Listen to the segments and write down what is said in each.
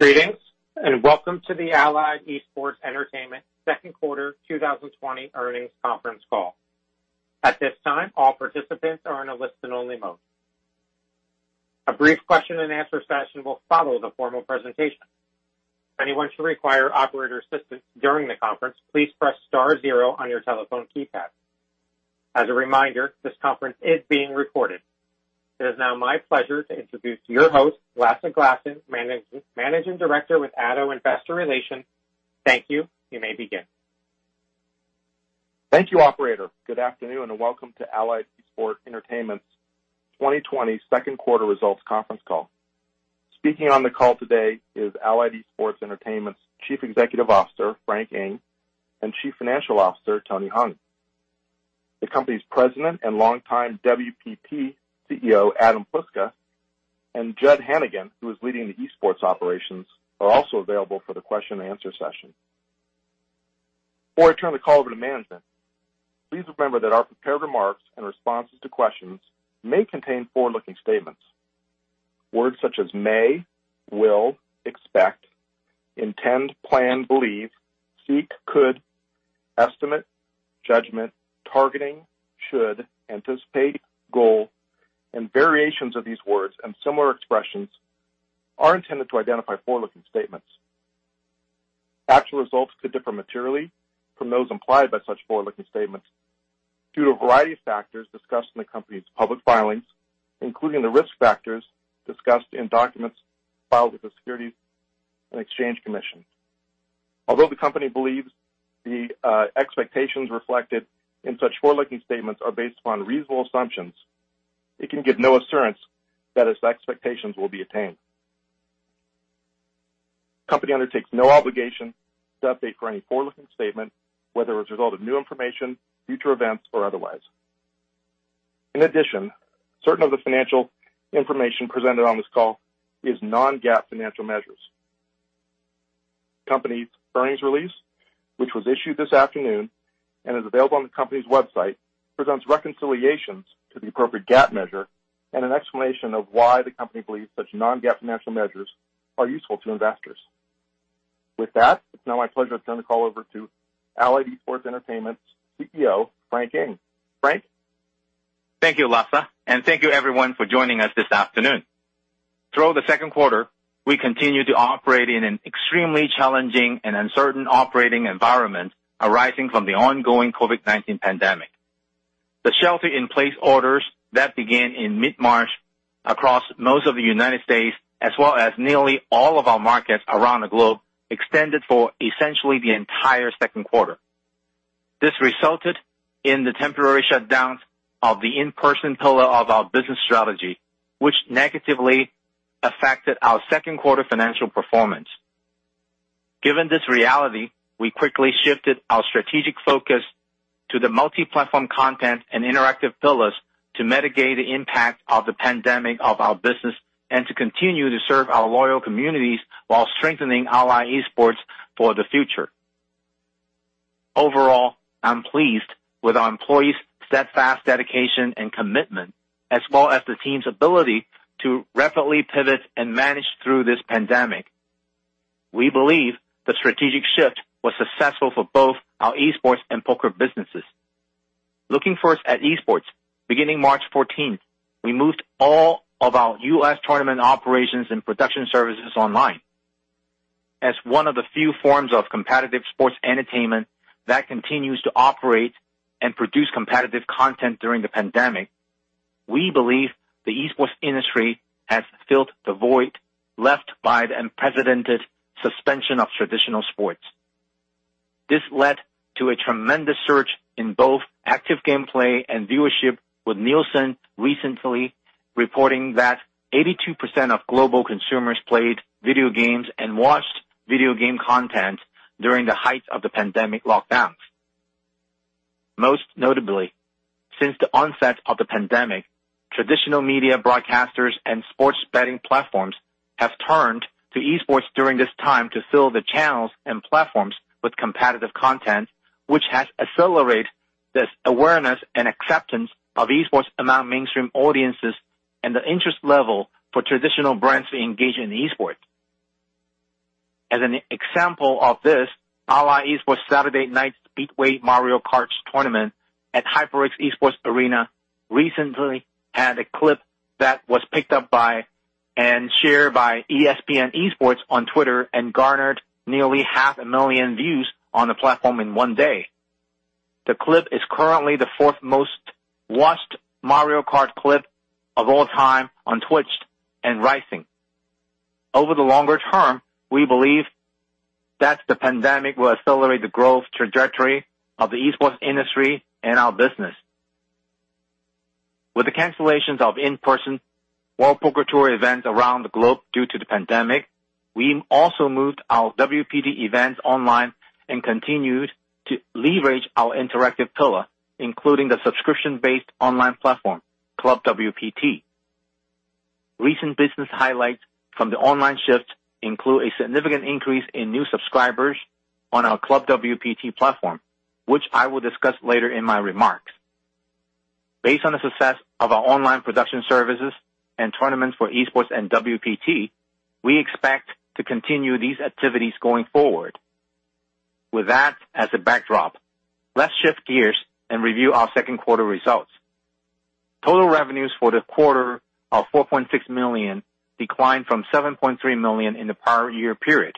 Greetings, welcome to the Allied Esports Entertainment second quarter 2020 earnings conference call. At this time, all participants are in a listen-only mode. A brief question and answer session will follow the formal presentation. If anyone should require operator assistance during the conference, please press star zero on your telephone keypad. As a reminder, this conference is being recorded. It is now my pleasure to introduce your host, Lasse Glassen, Managing Director with Addo Investor Relations. Thank you. You may begin. Thank you, operator. Good afternoon, and Welcome to Allied Esports Entertainment's 2020 second quarter results conference call. Speaking on the call today is Allied Esports Entertainment's Chief Executive Officer, Frank Ng, and Chief Financial Officer, Tony Hung. The company's President and longtime WPT CEO, Adam Pliska, and Jud Hannigan, who is leading the esports operations, are also available for the question and answer session. Before I turn the call over to management, please remember that our prepared remarks in responses to questions may contain forward-looking statements. Words such as may, will, expect, intend, plan, believe, seek, could, estimate, judgment, targeting, should, anticipate, goal, and variations of these words and similar expressions are intended to identify forward-looking statements. Actual results could differ materially from those implied by such forward-looking statements due to a variety of factors discussed in the company's public filings, including the risk factors discussed in documents filed with the Securities and Exchange Commission. Although the company believes the expectations reflected in such forward-looking statements are based upon reasonable assumptions, it can give no assurance that its expectations will be attained. Company undertakes no obligation to update for any forward-looking statement, whether as a result of new information, future events, or otherwise. Certain of the financial information presented on this call is non-GAAP financial measures. Company's earnings release, which was issued this afternoon and is available on the company's website, presents reconciliations to the appropriate GAAP measure and an explanation of why the company believes such non-GAAP financial measures are useful to investors. With that, it's now my pleasure to turn the call over to Allied Esports Entertainment CEO, Frank Ng. Frank? Thank you, Lasse, and thank you, everyone, for joining us this afternoon. Throughout the second quarter, we continued to operate in an extremely challenging and uncertain operating environment arising from the ongoing COVID-19 pandemic. The shelter-in-place orders that began in mid-March across most of the U.S., as well as nearly all of our markets around the globe, extended for essentially the entire second quarter. This resulted in the temporary shutdowns of the in-person pillar of our business strategy, which negatively affected our second quarter financial performance. Given this reality, we quickly shifted our strategic focus to the multi-platform content and interactive pillars to mitigate the impact of the pandemic of our business and to continue to serve our loyal communities while strengthening Allied Esports for the future. Overall, I'm pleased with our employees' steadfast dedication and commitment, as well as the team's ability to rapidly pivot and manage through this pandemic. We believe the strategic shift was successful for both our esports and poker businesses. Looking first at esports, beginning March 14th, we moved all of our U.S. tournament operations and production services online. As one of the few forms of competitive sports entertainment that continues to operate and produce competitive content during the pandemic, we believe the esports industry has filled the void left by the unprecedented suspension of traditional sports. This led to a tremendous surge in both active gameplay and viewership, with Nielsen recently reporting that 82% of global consumers played video games and watched video game content during the height of the pandemic lockdowns. Most notably, since the onset of the pandemic, traditional media broadcasters and sports betting platforms have turned to esports during this time to fill the channels and platforms with competitive content, which has accelerated this awareness and acceptance of esports among mainstream audiences and the interest level for traditional brands to engage in Esports. As an example of this, Allied Esports' Saturday Night Speedway Mario Kart tournament at HyperX Esports Arena recently had a clip that was picked up by and shared by ESPN Esports on Twitter and garnered nearly 500,000 views on the platform in one day. The clip is currently the fourth most-watched Mario Kart clip of all time on Twitch and rising. Over the longer term, we believe that the pandemic will accelerate the growth trajectory of the esports industry and our business. With the cancellations of in-person World Poker Tour events around the globe due to the pandemic, we also moved our WPT events online and continued to leverage our interactive pillar, including the subscription-based online platform, ClubWPT. Recent business highlights from the online shift include a significant increase in new subscribers on our ClubWPT platform, which I will discuss later in my remarks. Based on the success of our online production services and tournaments for esports and WPT, we expect to continue these activities going forward. With that as a backdrop, let's shift gears and review our second quarter results. Total revenues for the quarter are $4.6 million, declined from $7.3 million in the prior year period.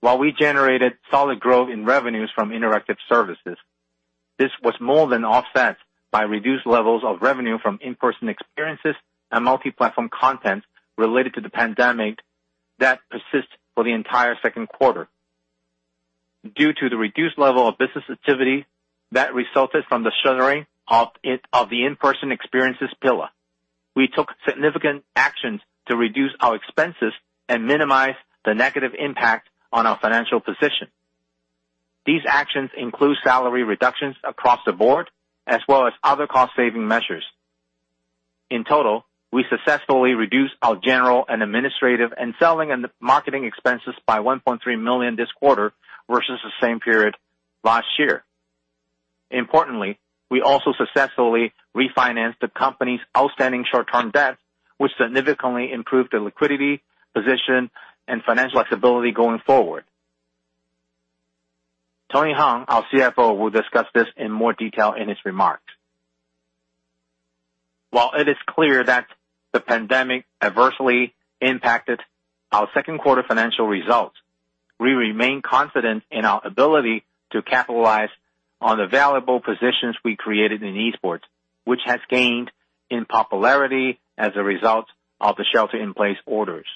While we generated solid growth in revenues from interactive services, this was more than offset by reduced levels of revenue from in-person experiences and multi-platform content related to the pandemic that persist for the entire second quarter. Due to the reduced level of business activity that resulted from the shuttering of the in-person experiences pillar, we took significant actions to reduce our expenses and minimize the negative impact on our financial position. These actions include salary reductions across the board, as well as other cost-saving measures. In total, we successfully reduced our general and administrative and selling and marketing expenses by $1.3 million this quarter versus the same period last year. Importantly, we also successfully refinanced the company's outstanding short-term debt, which significantly improved the liquidity position and financial flexibility going forward. Tony Hung, our CFO, will discuss this in more detail in his remarks. While it is clear that the pandemic adversely impacted our second quarter financial results, we remain confident in our ability to capitalize on the valuable positions we created in Esports, which has gained in popularity as a result of the shelter-in-place orders.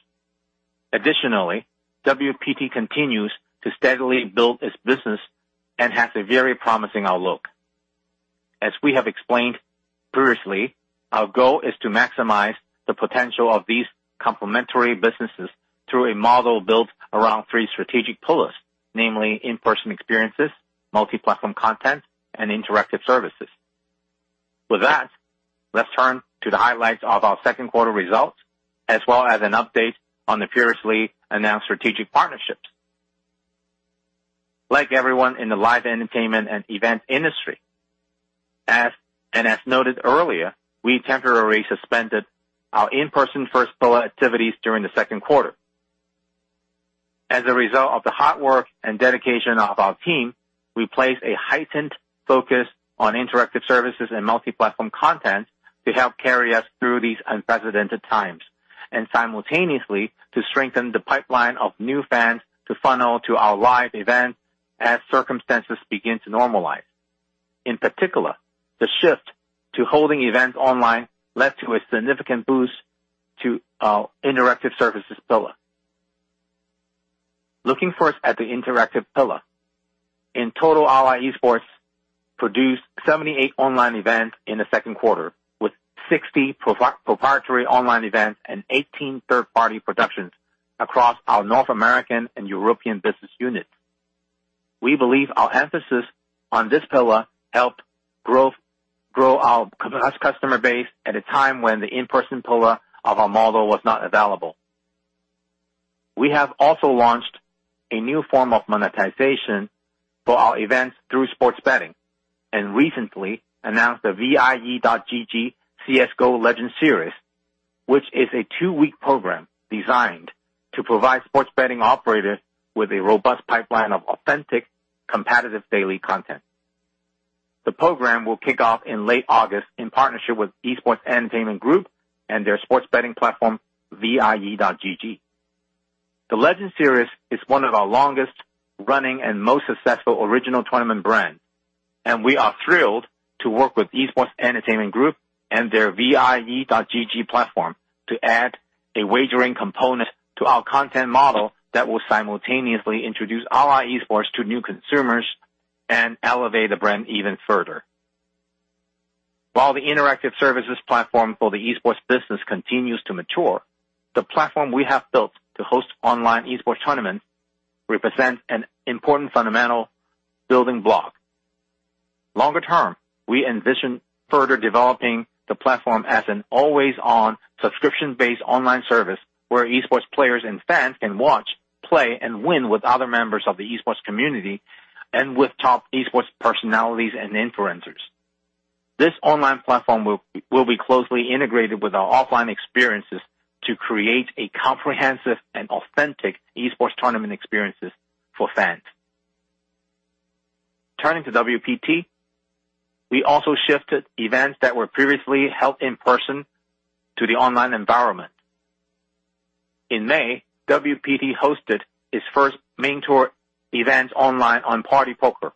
Additionally, WPT continues to steadily build its business and has a very promising outlook. As we have explained previously, our goal is to maximize the potential of these complementary businesses through a model built around three strategic pillars, namely in-person experiences, multi-platform content, and interactive services. With that, let's turn to the highlights of our second quarter results, as well as an update on the previously announced strategic partnerships. Like everyone in the live entertainment and event industry, and as noted earlier, we temporarily suspended our in-person first pillar activities during the second quarter. As a result of the hard work and dedication of our team, we placed a heightened focus on interactive services and multi-platform content to help carry us through these unprecedented times, and simultaneously to strengthen the pipeline of new fans to funnel to our live events as circumstances begin to normalize. In particular, the shift to holding events online led to a significant boost to our interactive services pillar. Looking first at the interactive pillar. In total, Allied Esports produced 78 online events in the second quarter, with 60 proprietary online events and 18 third-party productions across our North American and European business units. We believe our emphasis on this pillar helped grow our customer base at a time when the in-person pillar of our model was not available. We have also launched a new form of monetization for our events through sports betting and recently announced the VIE.gg CS:GO Legends Series, which is a two-week program designed to provide sports betting operators with a robust pipeline of authentic, competitive daily content. The program will kick off in late August in partnership with Esports Entertainment Group and their sports betting platform, VIE.gg. The Legends Series is one of our longest-running and most successful original tournament brands, and we are thrilled to work with Esports Entertainment Group and their VIE.gg platform to add a wagering component to our content model that will simultaneously introduce our esports to new consumers and elevate the brand even further. While the interactive services platform for the esports business continues to mature, the platform we have built to host online esports tournaments represents an important fundamental building block. Longer term, we envision further developing the platform as an always-on, subscription-based online service where esports players and fans can watch, play, and win with other members of the esports community and with top esports personalities and influencers. This online platform will be closely integrated with our offline experiences to create a comprehensive and authentic esports tournament experiences for fans. Turning to WPT, we also shifted events that were previously held in person to the online environment. In May, WPT hosted its first main tour event online on partypoker.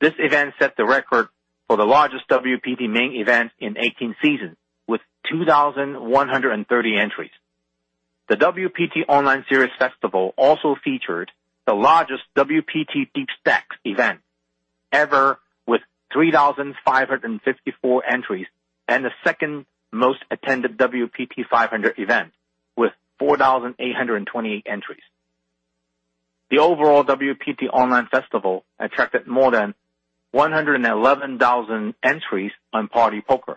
This event set the record for the largest WPT main event in 18 seasons, with 2,130 entries. The WPT Online Series Festival also featured the largest WPTDeepStacks event ever, with 3,554 entries and the second-most attended WPT500 event with 4,828 entries. The overall WPT Online Festival attracted more than 111,000 entries on partypoker.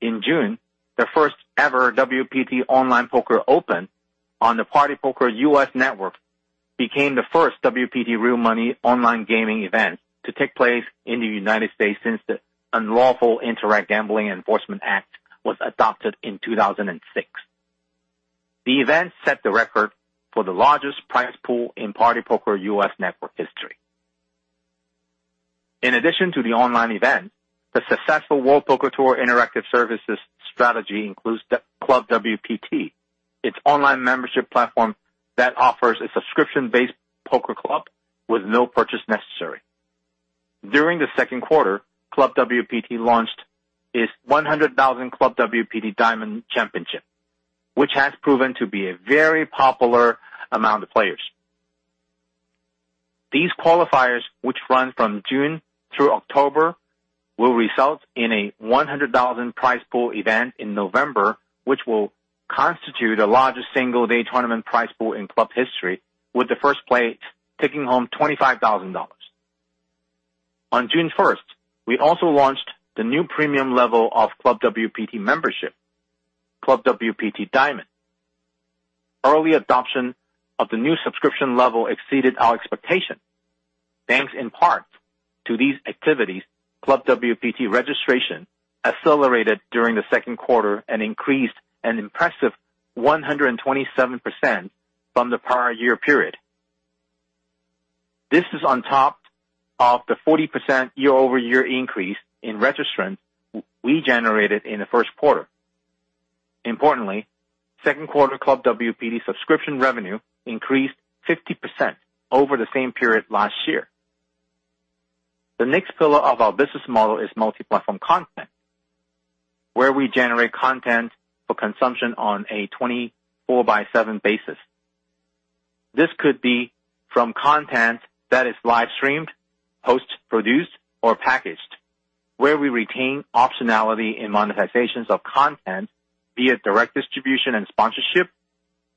In June, the first-ever WPT Online Poker Open on the partypoker US network became the first WPT real money online gaming event to take place in the United States since the Unlawful Internet Gambling Enforcement Act was adopted in 2006. The event set the record for the largest prize pool in partypoker US network history. In addition to the online event, the successful World Poker Tour interactive services strategy includes ClubWPT, its online membership platform that offers a subscription-based poker club with no purchase necessary. During the second quarter, ClubWPT launched its 100,000 ClubWPT Diamond Championship, which has proven to be very popular among the players. These qualifiers, which run from June through October, will result in a $100,000 prize pool event in November, which will constitute the largest single-day tournament prize pool in club history, with the first place taking home $25,000. On June 1st, we also launched the new premium level of ClubWPT membership, ClubWPT Diamond. Early adoption of the new subscription level exceeded our expectation. Thanks in part to these activities, ClubWPT registration accelerated during the second quarter and increased an impressive 127% from the prior year period. This is on top of the 40% year-over-year increase in registrants we generated in the first quarter. Importantly, second quarter ClubWPT subscription revenue increased 50% over the same period last year. The next pillar of our business model is multi-platform content, where we generate content for consumption on a 24 by seven basis. This could be from content that is live-streamed, post-produced, or packaged, where we retain optionality in monetizations of content via direct distribution and sponsorship,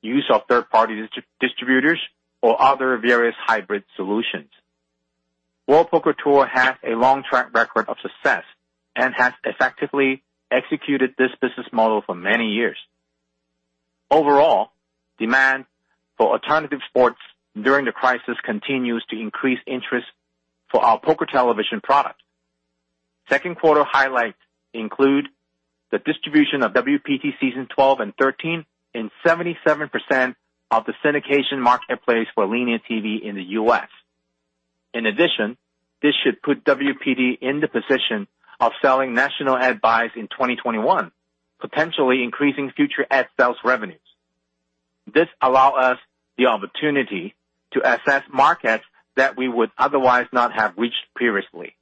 use of third-party distributors, or other various hybrid solutions. World Poker Tour has a long track record of success and has effectively executed this business model for many years. Overall, demand for alternative sports during the crisis continues to increase interest for our poker television product. Second quarter highlights include the distribution of WPT Season 12 and 13 in 77% of the syndication marketplace for linear TV in the U.S. In addition, this should put WPT in the position of selling national ad buys in 2021, potentially increasing future ad sales revenues. This allows us the opportunity to assess markets that we would otherwise not have reached previously.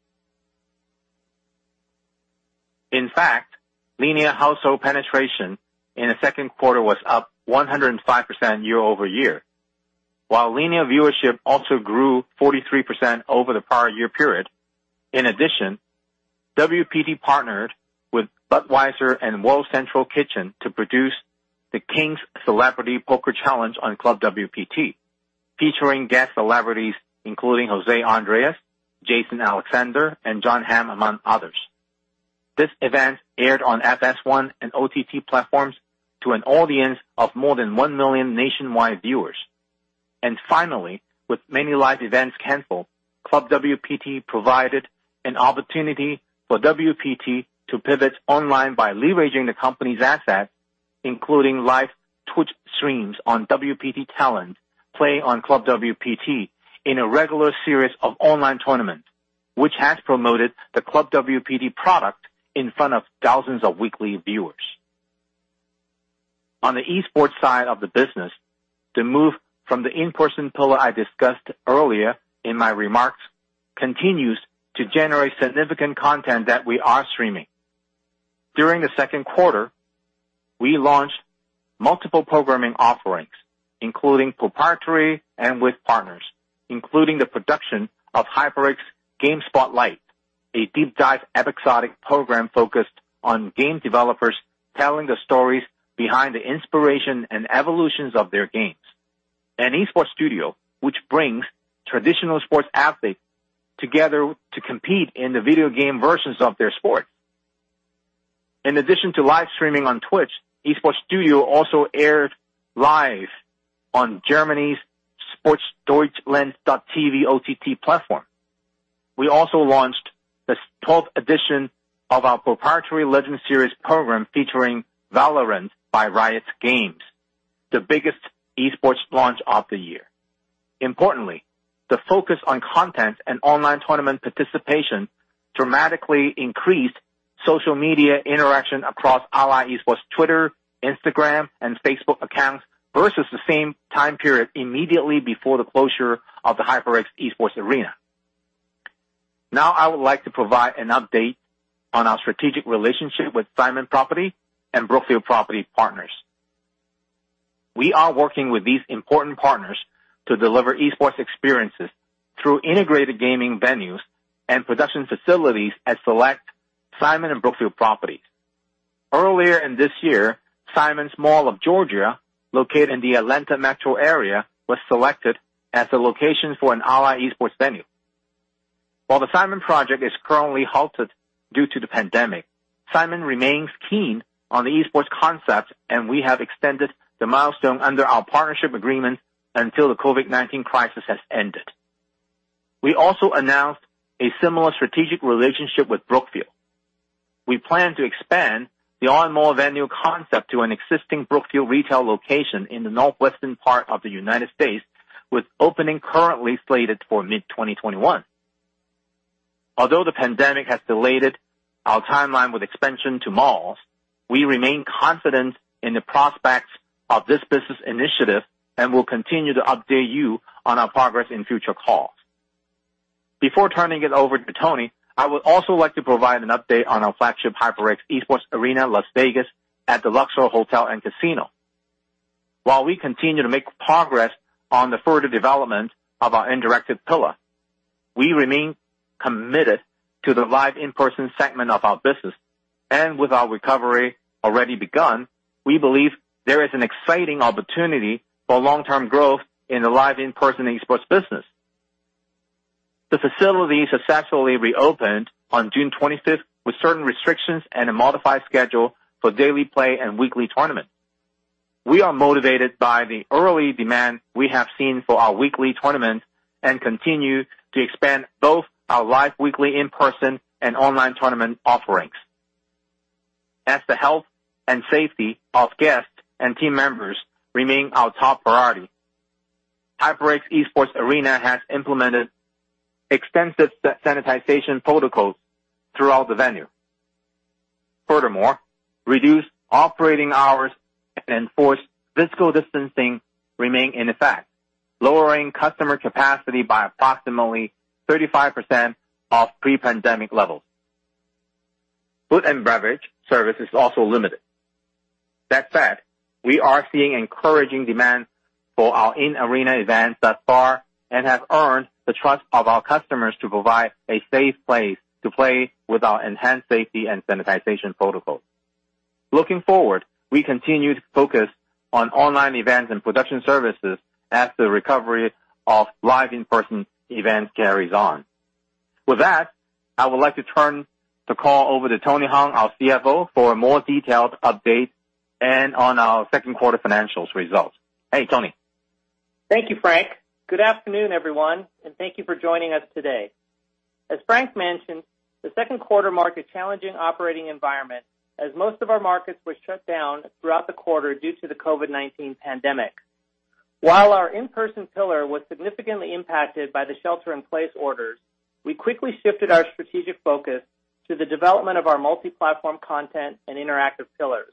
In fact, linear household penetration in the second quarter was up 105% year-over-year, while linear viewership also grew 43% over the prior year period. WPT partnered with Budweiser and World Central Kitchen to produce The King's Celebrity Poker Challenge on ClubWPT, featuring guest celebrities including José Andrés, Jason Alexander, and Jon Hamm, among others. This event aired on FS1 and OTT platforms to an audience of more than 1 million nationwide viewers. With many live events canceled, ClubWPT provided an opportunity for WPT to pivot online by leveraging the company's assets, including live Twitch streams on WPT Talent, playing on ClubWPT in a regular series of online tournaments, which has promoted the ClubWPT product in front of thousands of weekly viewers. On the esports side of the business, the move from the in-person pillar I discussed earlier in my remarks continues to generate significant content that we are streaming. During the second quarter, we launched multiple programming offerings, including proprietary and with partners, including the production of HyperX Game Spotlight, a deep dive episodic program focused on game developers telling the stories behind the inspiration and evolutions of their games. An Esports Studio, which brings traditional sports athletes together to compete in the video game versions of their sport. In addition to live streaming on Twitch, Esports Studio also aired live on Germany's Sportdeutschland.TV OTT platform. We also launched the 12th edition of our proprietary Legends Series program featuring Valorant by Riot Games, the biggest esports launch of the year. Importantly, the focus on content and online tournament participation dramatically increased social media interaction across Allied Esports Twitter, Instagram, and Facebook accounts versus the same time period immediately before the closure of the HyperX Esports Arena. I would like to provide an update on our strategic relationship with Simon Property and Brookfield Property Partners. We are working with these important partners to deliver esports experiences through integrated gaming venues and production facilities at select Simon and Brookfield properties. Earlier this year, Simon's Mall of Georgia, located in the Atlanta metro area, was selected as the location for an Allied Esports venue. While the Simon project is currently halted due to the pandemic, Simon remains keen on the esports concept, and we have extended the milestone under our partnership agreement until the COVID-19 crisis has ended. We also announced a similar strategic relationship with Brookfield. We plan to expand the R mall venue concept to an existing Brookfield retail location in the northwestern part of the United States, with opening currently slated for mid-2021. Although the pandemic has delayed our timeline with expansion to malls, we remain confident in the prospects of this business initiative and will continue to update you on our progress in future calls. Before turning it over to Tony, I would also like to provide an update on our flagship HyperX Esports Arena, Las Vegas at the Luxor Hotel & Casino. While we continue to make progress on the further development of our interactive pillar, we remain committed to the live in-person segment of our business. With our recovery already begun, we believe there is an exciting opportunity for long-term growth in the live in-person esports business. The facility successfully reopened on June 25th with certain restrictions and a modified schedule for daily play and weekly tournaments. We are motivated by the early demand we have seen for our weekly tournaments and continue to expand both our live weekly in-person and online tournament offerings. As the health and safety of guests and team members remain our top priority, HyperX Esports Arena has implemented extensive sanitization protocols throughout the venue. Furthermore, reduced operating hours and enforced physical distancing remain in effect, lowering customer capacity by approximately 35% of pre-pandemic levels. Food and beverage service is also limited. That said, we are seeing encouraging demand for our in-arena events thus far and have earned the trust of our customers to provide a safe place to play with our enhanced safety and sanitization protocols. Looking forward, we continue to focus on online events and production services as the recovery of live in-person events carries on. With that, I would like to turn the call over to Tony Hung, our CFO, for a more detailed update and on our second quarter financials results. Hey, Tony. Thank you, Frank. Good afternoon, everyone, and thank you for joining us today. As Frank mentioned, the second quarter marked a challenging operating environment as most of our markets were shut down throughout the quarter due to the COVID-19 pandemic. While our in-person pillar was significantly impacted by the shelter in place orders, we quickly shifted our strategic focus to the development of our multi-platform content and interactive pillars.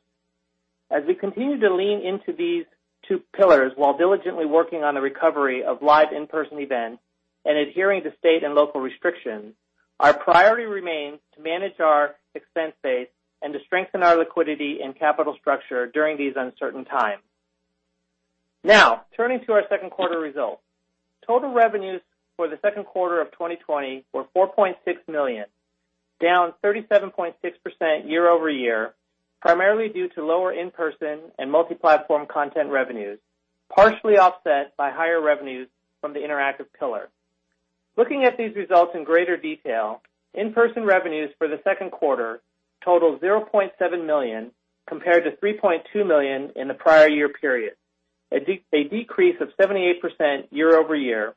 As we continue to lean into these two pillars while diligently working on the recovery of live in-person events and adhering to state and local restrictions, our priority remains to manage our expense base and to strengthen our liquidity and capital structure during these uncertain times. Turning to our second quarter results. Total revenues for the second quarter of 2020 were $4.6 million, down 37.6% year-over-year, primarily due to lower in-person and multi-platform content revenues, partially offset by higher revenues from the interactive pillar. Looking at these results in greater detail, in-person revenues for the second quarter totaled $0.7 million compared to $3.2 million in the prior year period, a decrease of 78% year-over-year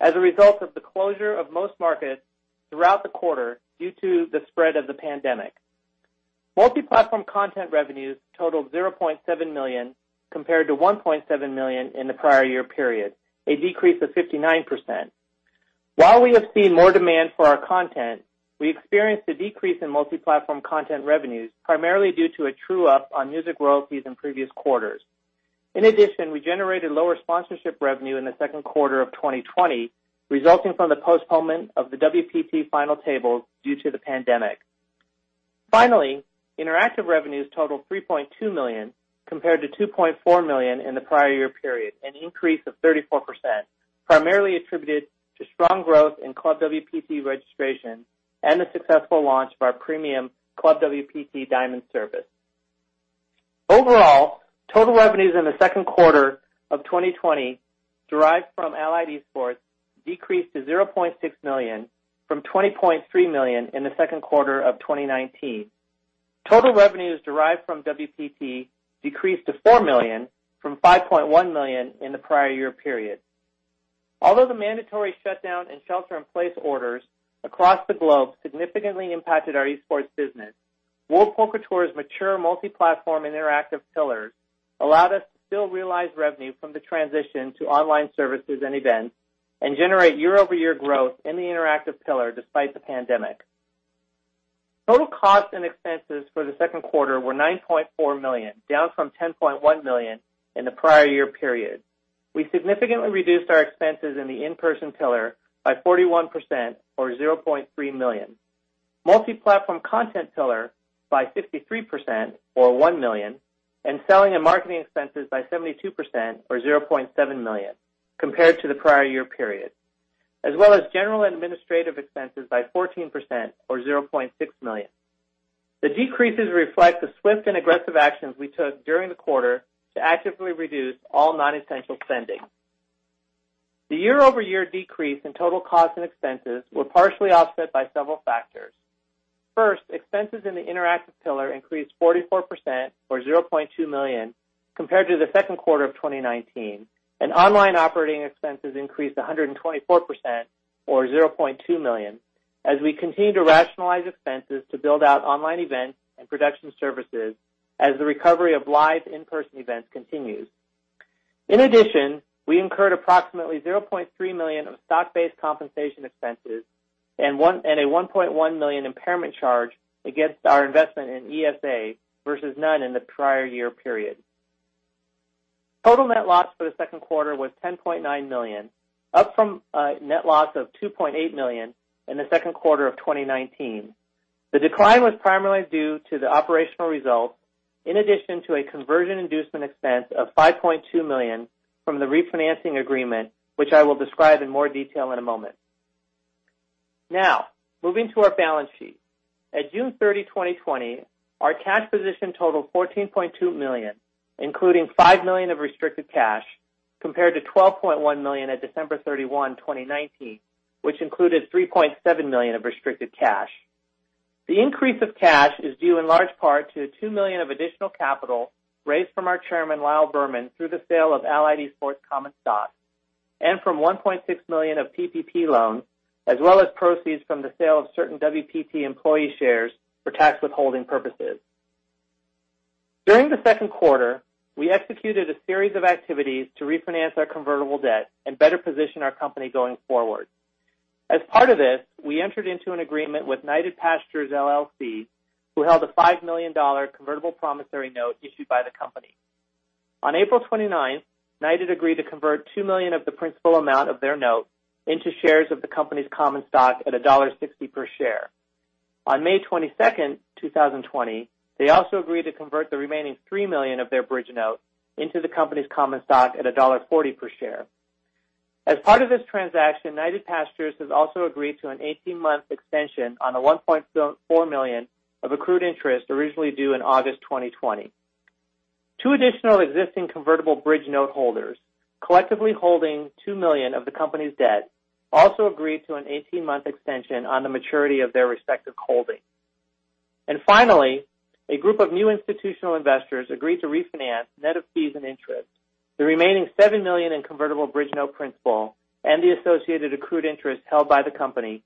as a result of the closure of most markets throughout the quarter due to the spread of the pandemic. Multi-platform content revenues totaled $0.7 million compared to $1.7 million in the prior year period, a decrease of 59%. While we have seen more demand for our content, we experienced a decrease in multi-platform content revenues, primarily due to a true up on music royalties in previous quarters. In addition, we generated lower sponsorship revenue in the second quarter of 2020, resulting from the postponement of the WPT Final Tables due to the pandemic. Finally, interactive revenues totaled $3.2 million compared to $2.4 million in the prior year period, an increase of 34%, primarily attributed to strong growth in ClubWPT registration and the successful launch of our premium ClubWPT Diamond service. Overall, total revenues in the second quarter of 2020 derived from Allied Esports decreased to $0.6 million from $20.3 million in the second quarter of 2019. Total revenues derived from WPT decreased to $4 million from $5.1 million in the prior year period. Although the mandatory shutdown and shelter in place orders across the globe significantly impacted our esports business, World Poker Tour's mature multi-platform interactive pillars allowed us to still realize revenue from the transition to online services and events and generate year-over-year growth in the interactive pillar despite the pandemic. Total costs and expenses for the second quarter were $9.4 million, down from $10.1 million in the prior year period. We significantly reduced our expenses in the in-person pillar by 41%, or $0.3 million, multi-platform content pillar by 53%, or $1 million, and selling and marketing expenses by 72%, or $0.7 million, compared to the prior year period, as well as general administrative expenses by 14%, or $0.6 million. The decreases reflect the swift and aggressive actions we took during the quarter to actively reduce all non-essential spending. The year-over-year decrease in total costs and expenses were partially offset by several factors. First, expenses in the interactive pillar increased 44%, or $0.2 million, compared to the second quarter of 2019, and online operating expenses increased 124%, or $0.2 million, as we continue to rationalize expenses to build out online events and production services as the recovery of live in-person events continues. In addition, we incurred approximately $0.3 million of stock-based compensation expenses and a $1.1 million impairment charge against our investment in ESA versus none in the prior year period. Total net loss for the second quarter was $10.9 million, up from a net loss of $2.8 million in the second quarter of 2019. The decline was primarily due to the operational results, in addition to a conversion inducement expense of $5.2 million from the refinancing agreement, which I will describe in more detail in a moment. Now, moving to our balance sheet. At June 30, 2020, our cash position totaled $14.2 million, including $5 million of restricted cash, compared to $12.1 million at December 31, 2019, which included $3.7 million of restricted cash. The increase of cash is due in large part to $2 million of additional capital raised from our chairman, Lyle Berman, through the sale of Allied Esports common stock and from $1.6 million of PPP loans, as well as proceeds from the sale of certain WPT employee shares for tax withholding purposes. During the second quarter, we executed a series of activities to refinance our convertible debt and better position our company going forward. As part of this, we entered into an agreement with Knighted Pastures LLC, who held a $5 million convertible promissory note issued by the company. On April 29th, Knighted agreed to convert $2 million of the principal amount of their note into shares of the company's common stock at $1.60 per share. On May 22nd, 2020, they also agreed to convert the remaining $3 million of their bridge note into the company's common stock at $1.40 per share. As part of this transaction, Knighted Pastures has also agreed to an 18-month extension on the $1.4 million of accrued interest originally due in August 2020. Two additional existing convertible bridge note holders, collectively holding $2 million of the company's debt, also agreed to an 18-month extension on the maturity of their respective holdings. Finally, a group of new institutional investors agreed to refinance, net of fees and interest, the remaining $7 million in convertible bridge note principal and the associated accrued interest held by the company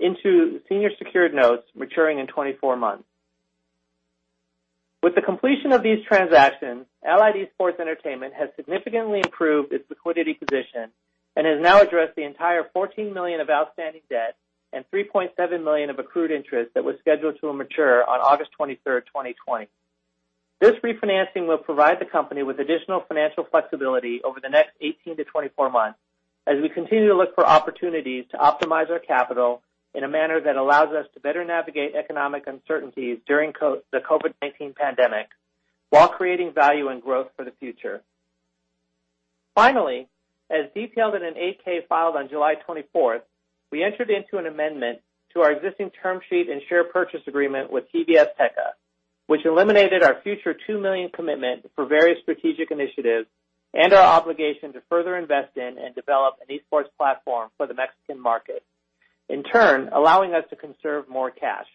into senior secured notes maturing in 24 months. With the completion of these transactions, Allied Esports Entertainment has significantly improved its liquidity position and has now addressed the entire $14 million of outstanding debt and $3.7 million of accrued interest that was scheduled to mature on August 23rd, 2020. This refinancing will provide the company with additional financial flexibility over the next 18-24 months as we continue to look for opportunities to optimize our capital in a manner that allows us to better navigate economic uncertainties during the COVID-19 pandemic while creating value and growth for the future. Finally, as detailed in an 8-K filed on July 24th, we entered into an amendment to our existing term sheet and share purchase agreement with TV Azteca, which eliminated our future $2 million commitment for various strategic initiatives and our obligation to further invest in and develop an esports platform for the Mexican market, in turn, allowing us to conserve more cash.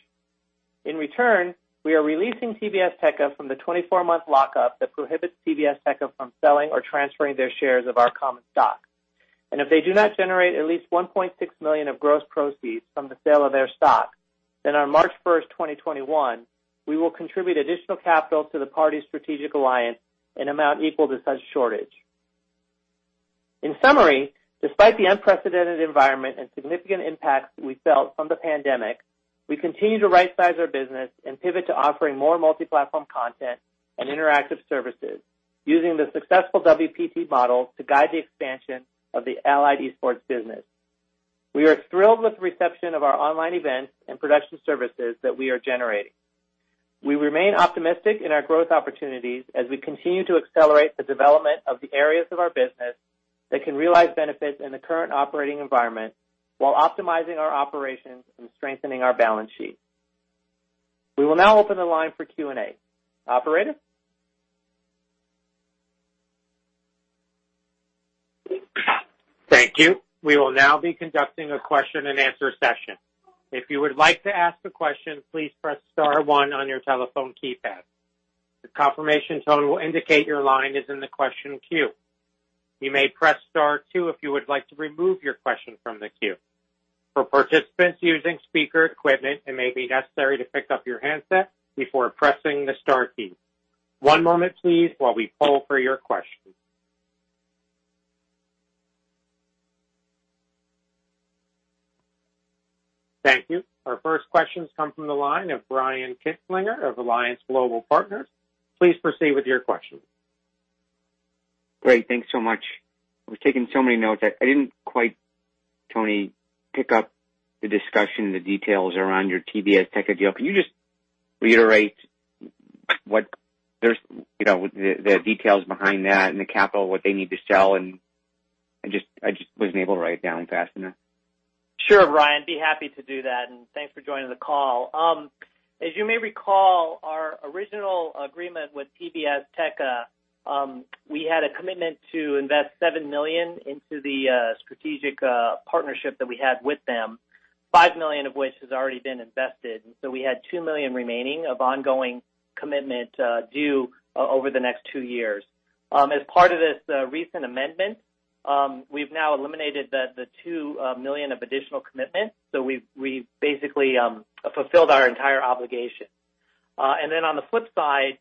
In return, we are releasing TV Azteca from the 24-month lockup that prohibits TV Azteca from selling or transferring their shares of our common stock. If they do not generate at least $1.6 million of gross proceeds from the sale of their stock, then on March 1st, 2021, we will contribute additional capital to the party's strategic alliance in amount equal to such shortage. In summary, despite the unprecedented environment and significant impacts we felt from the pandemic, we continue to rightsize our business and pivot to offering more multi-platform content and interactive services using the successful WPT model to guide the expansion of the Allied Esports business. We are thrilled with the reception of our online events and production services that we are generating. We remain optimistic in our growth opportunities as we continue to accelerate the development of the areas of our business that can realize benefits in the current operating environment while optimizing our operations and strengthening our balance sheet. We will now open the line for Q&A. Operator? Thank you. We will now be conducting a question and answer session. If you would like to ask a question, please press star one on your telephone keypad. The confirmation tone will indicate your line is in the question queue. You may press Star two if you would like to remove your question from the queue. For participants using speaker equipment, it may be necessary to pick up your handset before pressing the star key. One moment, please, while we poll for your questions. Thank you. Our first question comes from the line of Brian Kinstlinger of Alliance Global Partners. Please proceed with your question. Great. Thanks so much. I was taking so many notes. I didn't quite, Tony, pick up the discussion, the details around your TV Azteca deal. Can you just reiterate what the details behind that and the capital, what they need to sell? I just wasn't able to write it down fast enough. Sure, Brian, be happy to do that, and thanks for joining the call. As you may recall, our original agreement with TV Azteca, we had a commitment to invest $7 million into the strategic partnership that we had with them, $5 million of which has already been invested. We had $2 million remaining of ongoing commitment due over the next two years. As part of this recent amendment, we've now eliminated the $2 million of additional commitment, so we've basically fulfilled our entire obligation. On the flip side,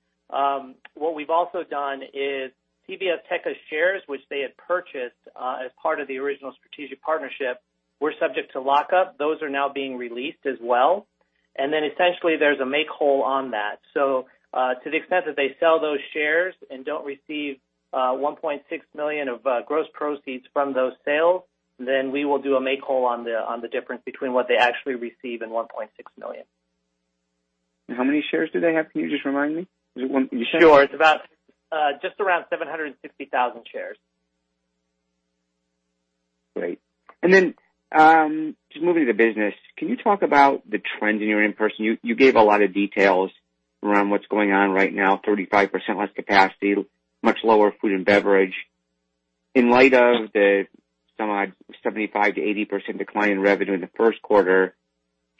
what we've also done is TV Azteca's shares, which they had purchased as part of the original strategic partnership, were subject to lockup. Those are now being released as well. Essentially, there's a make whole on that. To the extent that they sell those shares and don't receive $1.6 million of gross proceeds from those sales, then we will do a make whole on the difference between what they actually receive and $1.6 million. How many shares do they have? Can you just remind me? Sure. It's about just around 750,000 shares. Great. Just moving to business, can you talk about the trends in your in-person? You gave a lot of details around what's going on right now, 35% less capacity, much lower food and beverage. In light of the some odd 75%-80% decline in revenue in the first quarter,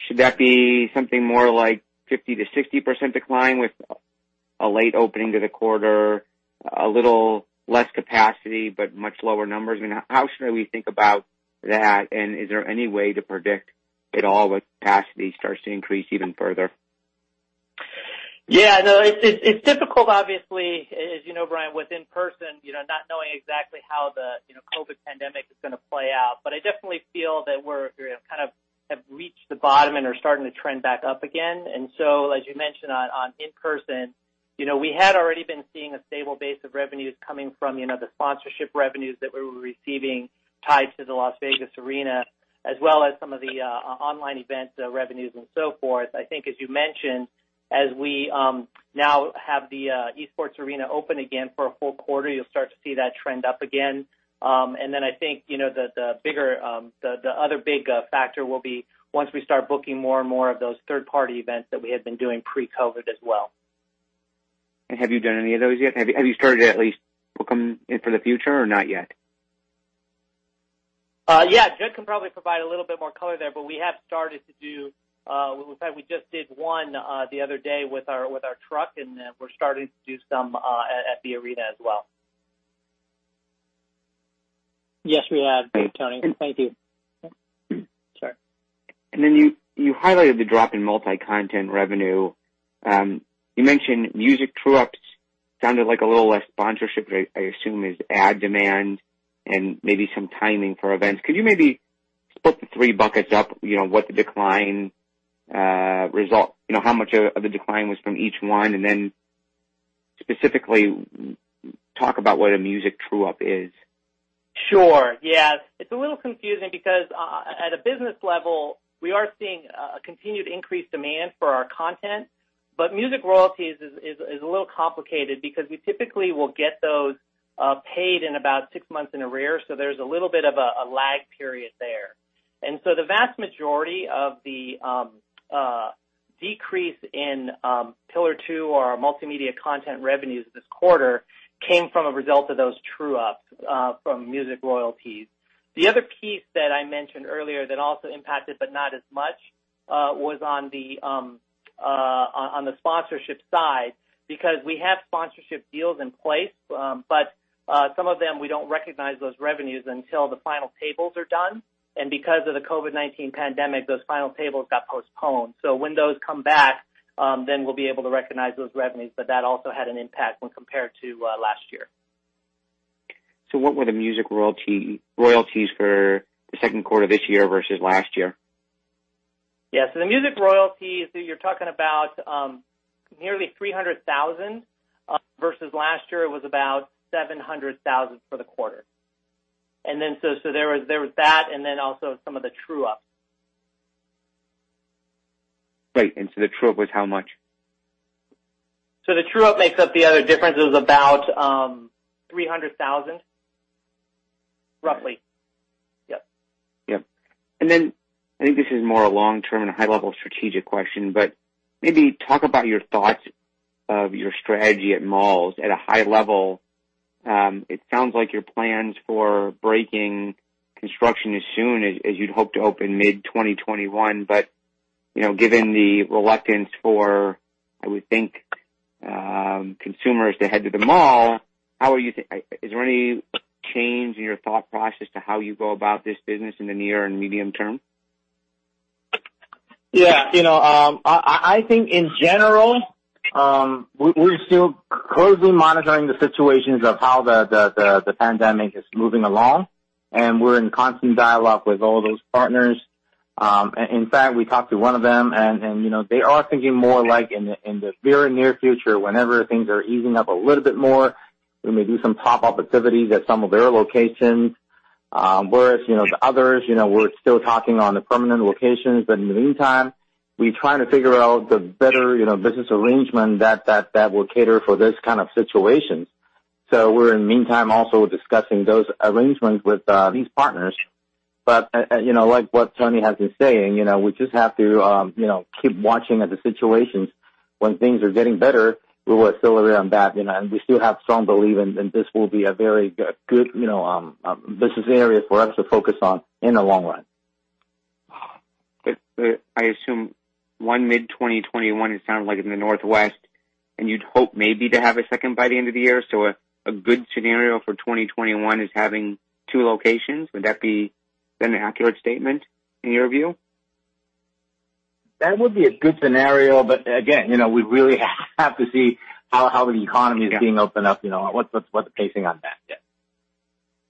should that be something more like 50%-60% decline with a late opening to the quarter, a little less capacity, but much lower numbers? How should we think about that? Is there any way to predict at all what capacity starts to increase even further? Yeah. It's difficult, obviously, as you know, Brian, with in-person, not knowing exactly how the COVID-19 pandemic is going to play out. I definitely feel that we're kind of have reached the bottom and are starting to trend back up again. As you mentioned on in-person, we had already been seeing a stable base of revenues coming from the sponsorship revenues that we were receiving tied to the Las Vegas arena as well as some of the online event revenues and so forth. I think as you mentioned, as we now have the Esports Arena open again for a full quarter, you'll start to see that trend up again. I think the other big factor will be once we start booking more and more of those third-party events that we had been doing pre-COVID-19 as well. Have you done any of those yet? Have you started to at least book them in for the future or not yet? Yeah. Jud can probably provide a little bit more color there, but we have started to do. In fact, we just did one the other day with our truck, and then we're starting to do some at the arena as well. Yes, we have, Tony. Thank you. Sorry. Then you highlighted the drop in multi-content revenue. You mentioned music true-ups sounded like a little less sponsorship, I assume is ad demand and maybe some timing for events. Could you maybe split the three buckets up, what the decline result, how much of the decline was from each one? Then specifically talk about what a music true-up is. Sure. Yes. It's a little confusing because at a business level, we are seeing a continued increased demand for our content. Music royalties is a little complicated because we typically will get those paid in about six months in arrears, so there's a little bit of a lag period there. The vast majority of the decrease in pillar 2 or our multimedia content revenues this quarter came from a result of those true-ups from music royalties. The other piece that I mentioned earlier that also impacted, but not as much, was on the sponsorship side because we have sponsorship deals in place. Some of them, we don't recognize those revenues until the final tables are done. Because of the COVID-19 pandemic, those final tables got postponed. When those come back, then we'll be able to recognize those revenues, but that also had an impact when compared to last year. What were the music royalties for the second quarter of this year versus last year? Yeah. The music royalties, you're talking about nearly $300,000 versus last year, it was about $700,000 for the quarter. There was that, and then also some of the true-ups. Right. The true-up was how much? The true-up makes up the other difference. It was about $300,000, roughly. Yep. Yep. I think this is more a long-term and a high-level strategic question, but maybe talk about your thoughts of your strategy at malls at a high level. It sounds like your plans for breaking construction as soon as you'd hope to open mid-2021. Given the reluctance for, I would think, consumers to head to the mall, is there any change in your thought process to how you go about this business in the near and medium term? I think in general, we're still closely monitoring the situations of how the pandemic is moving along, and we're in constant dialogue with all those partners. In fact, we talked to one of them, and they are thinking more like in the very near future, whenever things are easing up a little bit more, we may do some top-up activities at some of their locations. Whereas the others, we're still talking on the permanent locations. In the meantime, we're trying to figure out the better business arrangement that will cater for this kind of situation. We're in the meantime also discussing those arrangements with these partners. Like what Tony has been saying, we just have to keep watching at the situations. When things are getting better, we will accelerate on that. We still have strong belief in this will be a very good business area for us to focus on in the long run. I assume one mid-2021, it sounds like in the Northwest, and you'd hope maybe to have a second by the end of the year. A good scenario for 2021 is having two locations. Would that be an accurate statement in your view? That would be a good scenario. Again, we really have to see how the economy- Yeah. Is being opened up, what's the pacing on that yet?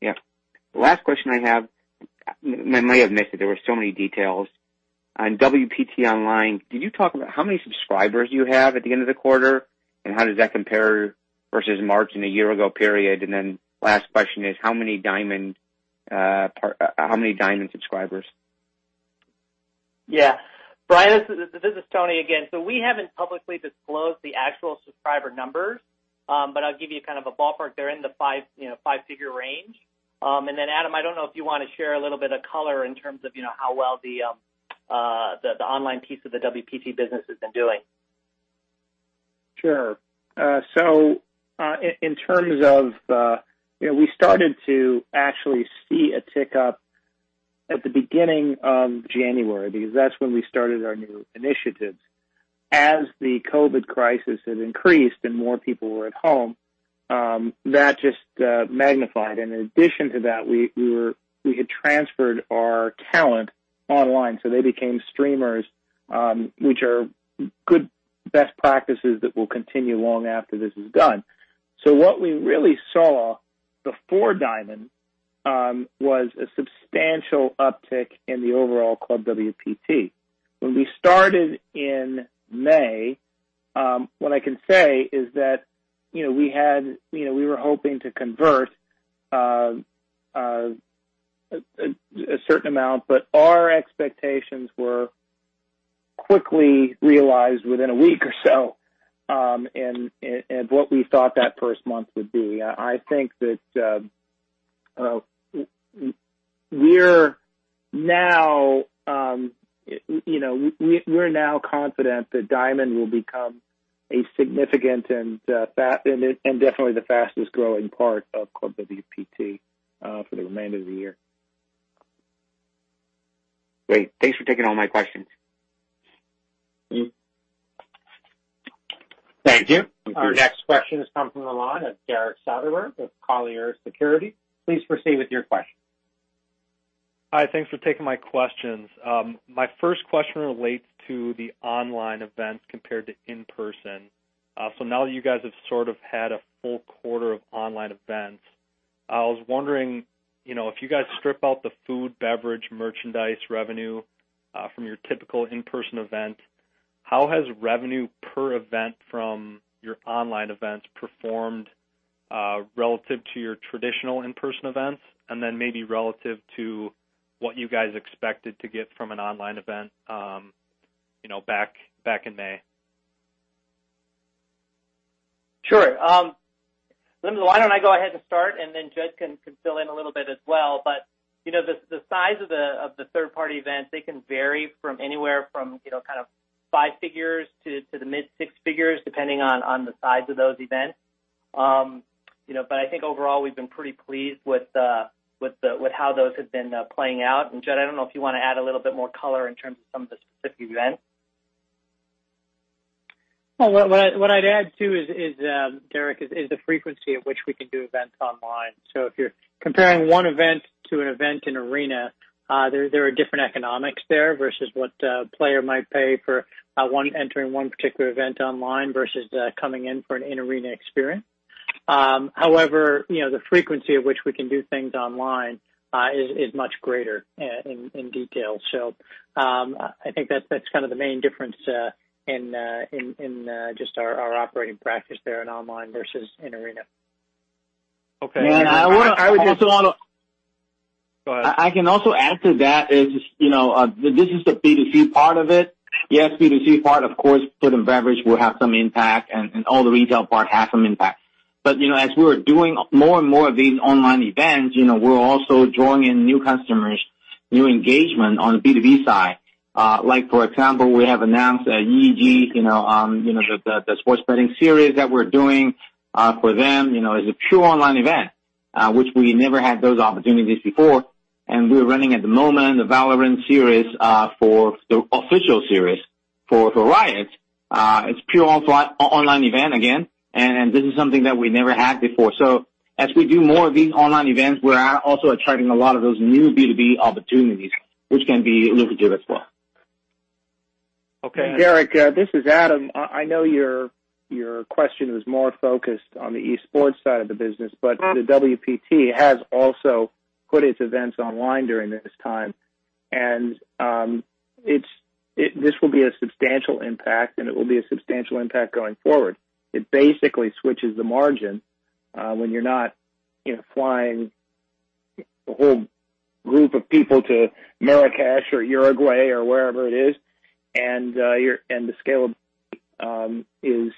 Yeah. Last question I have, I may have missed it, there were so many details. On WPT online, did you talk about how many subscribers you have at the end of the quarter, and how does that compare versus March and a year-ago period? Last question is, how many Diamond subscribers? Yeah. Brian, this is Tony again. We haven't publicly disclosed the actual subscriber numbers. I'll give you kind of a ballpark. They're in the five-figure range. Adam, I don't know if you want to share a little bit of color in terms of how well the online piece of the WPT business has been doing. Sure. We started to actually see a tick-up at the beginning of January, because that's when we started our new initiatives. As the COVID-19 crisis had increased and more people were at home, that just magnified. In addition to that, we had transferred our talent online, so they became streamers, which are good best practices that will continue long after this is done. What we really saw before Diamond, was a substantial uptick in the overall ClubWPT. When we started in May, what I can say is that, we were hoping to convert a certain amount, but our expectations were quickly realized within a week or so, and what we thought that first month would be. I think that we're now confident that Diamond will become a significant and definitely the fastest-growing part of ClubWPT for the remainder of the year. Great. Thanks for taking all my questions. Thank you. Our next question is coming on the line of Derek Soderberg of Colliers Securities. Please proceed with your question. Hi, thanks for taking my questions. My first question relates to the online events compared to in-person. Now that you guys have sort of had a full quarter of online events, I was wondering if you guys strip out the food, beverage, merchandise revenue from your typical in-person event, how has revenue per event from your online events performed relative to your traditional in-person events, and then maybe relative to what you guys expected to get from an online event back in May? Sure. Why don't I go ahead and start, and then Jud can fill in a little bit as well. The size of the third-party events, they can vary from anywhere from kind of five figures to the mid-six figures, depending on the size of those events. I think overall, we've been pretty pleased with how those have been playing out. Jud, I don't know if you want to add a little bit more color in terms of some of the specific events. Well, what I'd add, too, Derek, is the frequency at which we can do events online. If you're comparing one event to an event in arena, there are different economics there versus what a player might pay for entering one particular event online versus coming in for an in-arena experience. However, the frequency at which we can do things online is much greater in detail. I think that's kind of the main difference in just our operating practice there in online versus in arena. Okay. And I would just want to- Go ahead. I can also add to that is, this is the B2C part of it. Yes, B2C part, of course, food and beverage will have some impact and all the retail part has some impact. As we're doing more and more of these online events, we're also drawing in new customers, new engagement on the B2B side. Like for example, we have announced EEG, the sports betting series that we're doing for them, is a pure online event, which we never had those opportunities before. We're running at the moment the Valorant series for the official series for Riot. It's pure online event again, this is something that we never had before. As we do more of these online events, we're also attracting a lot of those new B2B opportunities, which can be lucrative as well. Okay. Derek, this is Adam. I know your question was more focused on the esports side of the business, but the WPT has also put its events online during this time. This will be a substantial impact, and it will be a substantial impact going forward. It basically switches the margin when you're not flying a whole group of people to Marrakech or Uruguay or wherever it is, and the scale is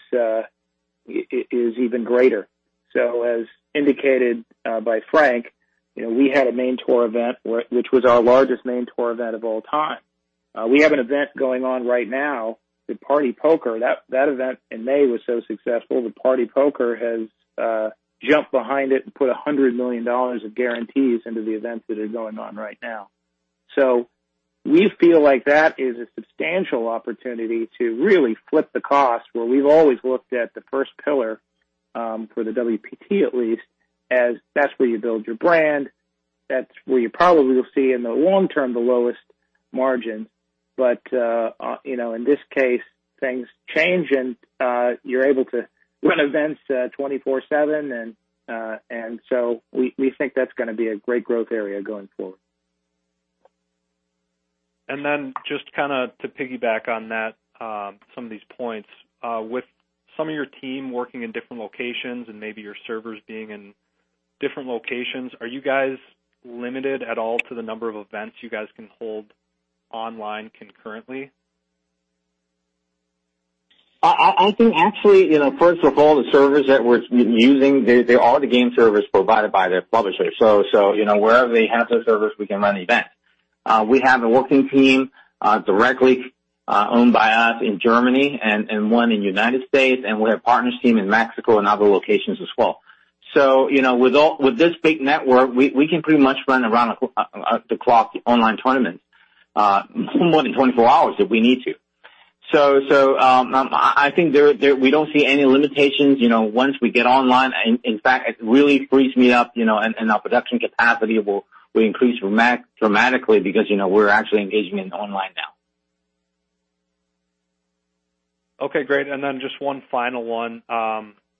even greater. As indicated by Frank, we had a main tour event which was our largest main tour event of all time. We have an event going on right now with partypoker. That event in May was so successful that partypoker has jumped behind it and put $100 million of guarantees into the events that are going on right now. We feel like that is a substantial opportunity to really flip the cost, where we've always looked at the first pillar, for the WPT at least, as that's where you build your brand. That's where you probably will see, in the long term, the lowest margin. In this case, things change, and you're able to run events 24/7. We think that's going to be a great growth area going forward. Just to piggyback on that, some of these points. With some of your team working in different locations and maybe your servers being in different locations, are you guys limited at all to the number of events you guys can hold online concurrently? I think actually, first of all, the servers that we're using, they are the game servers provided by their publisher. Wherever they have their servers, we can run events. We have a working team directly owned by us in Germany and one in the U.S., and we have a partner's team in Mexico and other locations as well. With this big network, we can pretty much run around-the-clock online tournaments, more than 24 hours if we need to. I think we don't see any limitations once we get online. In fact, it really frees me up, and our production capacity will increase dramatically because we're actually engaging in online now. Okay, great. Just one final one.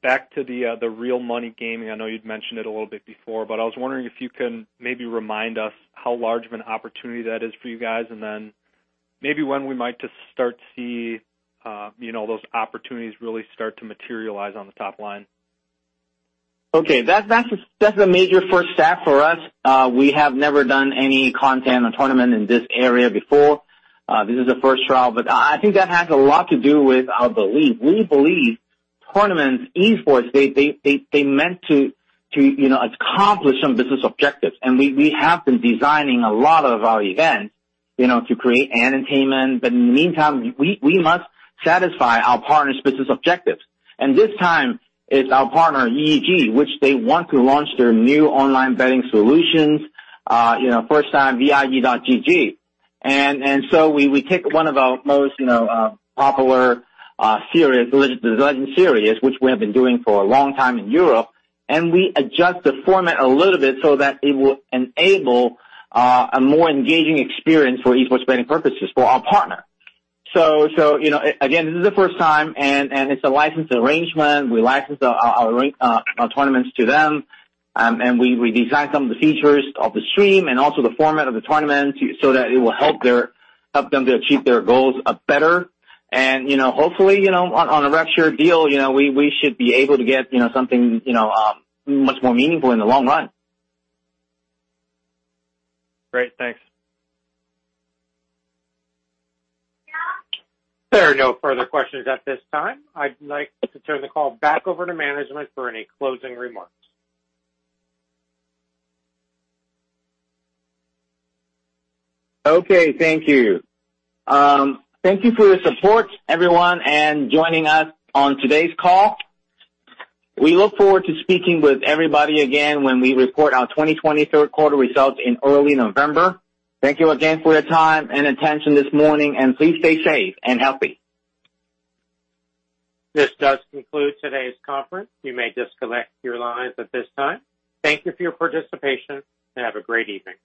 Back to the real money gaming. I know you'd mentioned it a little bit before, I was wondering if you can maybe remind us how large of an opportunity that is for you guys, maybe when we might just start see those opportunities really start to materialize on the top line. Okay. That's a major first step for us. We have never done any content or tournament in this area before. This is the first trial. I think that has a lot to do with our belief. We believe tournaments, Esports, they're meant to accomplish some business objectives, and we have been designing a lot of our events to create entertainment. In the meantime, we must satisfy our partners' business objectives. This time, it's our partner, EEG, which they want to launch their new online betting solutions, first time VIE.gg. We take one of our most popular series, Legends Series, which we have been doing for a long time in Europe, and we adjust the format a little bit so that it will enable a more engaging experience for esports betting purposes for our partner. Again, this is the first time, and it's a licensed arrangement. We license our tournaments to them, and we design some of the features of the stream and also the format of the tournament so that it will help them to achieve their goals better. Hopefully, on a structured deal, we should be able to get something much more meaningful in the long run. Great. Thanks. There are no further questions at this time. I'd like to turn the call back over to management for any closing remarks. Okay. Thank you. Thank you for your support, everyone, and joining us on today's call. We look forward to speaking with everybody again when we report our 2020 third quarter results in early November. Thank you again for your time and attention this morning, and please stay safe and healthy. This does conclude today's conference. You may disconnect your lines at this time. Thank you for your participation, and have a great evening.